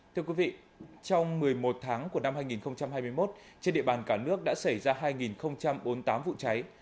thưa quý vị trong một mươi một tháng của năm hai nghìn hai mươi một trên địa bàn cả nước đã xảy ra hai bốn mươi tám vụ cháy